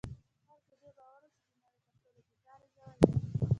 خر په دې باور و چې د نړۍ تر ټولو بې کاره ژوی دی.